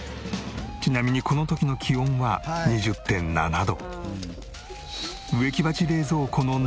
ちなみにこの時の気温は２０．７度。